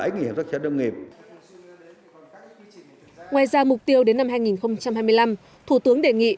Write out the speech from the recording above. ngoài ra mục tiêu đến năm hai nghìn hai mươi năm thủ tướng đề nghị